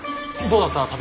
どうだった？